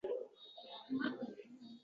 Ismoilning ko'zlari yoshlanmay qolmadi.